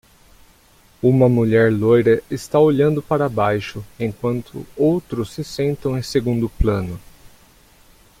Uma mulher loira está olhando para baixo, enquanto outros se sentam em segundo plano.